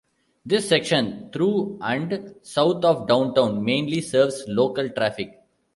This section through and south of downtown mainly serves local traffic.